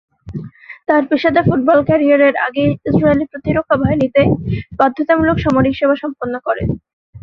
তার পেশাদার ফুটবল ক্যারিয়ারের আগে ইসরায়েল প্রতিরক্ষা বাহিনীতে বাধ্যতামূলক সামরিক সেবা সম্পন্ন করেন।